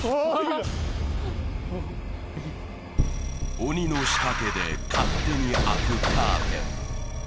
鬼の仕掛けで勝手に開くカーテン。